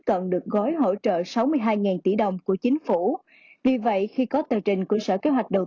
cần được gói hỗ trợ sáu mươi hai tỷ đồng của chính phủ vì vậy khi có tờ trình của sở kế hoạch đầu